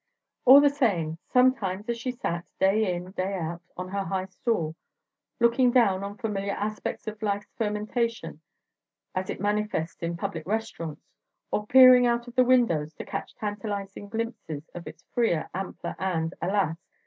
All the same, sometimes, as she sat, day in day out, on her high stool, looking down on familiar aspects of life's fermentation as it manifests in public restaurants, or peering out of the windows to catch tantalizing glimpses of its freer, ampler, and—alas!